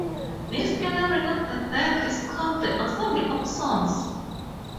"This gathering of the dead is called the "Assembly of Souls."